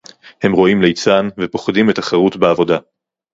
הם רואים ליצן ופוחדים מתחרות בעבודה